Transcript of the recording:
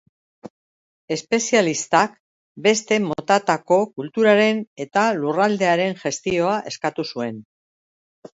Espezialistak beste motatako kulturaren eta lurraldearen gestioa eskatu zuen.